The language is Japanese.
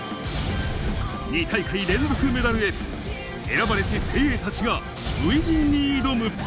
２大会連続メダルへ、選ばれし精鋭たちが、初陣に挑む。